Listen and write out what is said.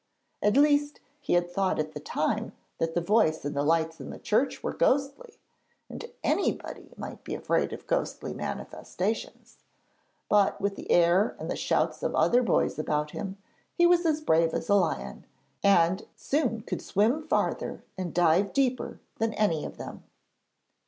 At least he had thought at the time that the voice and the lights in the church were ghostly, and anybody might be afraid of ghostly manifestations. But with the air and the shouts of other boys about him, he was as brave as a lion, and soon could swim farther and dive deeper than any of them.